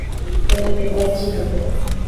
তো, এবার কী হবে?